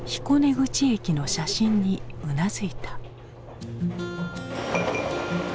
彦根口駅の写真にうなずいた。